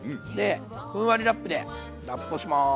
ふんわりラップでラップをします。